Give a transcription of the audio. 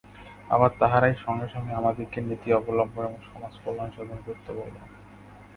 আবার তাঁহারাই সঙ্গে সঙ্গে আমাদিগকে নীতি অবলম্বন এবং সমাজের কল্যাণসাধন করিতে বলেন।